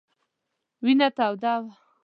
وینه توده وه.